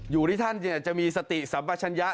อยู่ที่ท่านจะมีสติสัมปัชญะ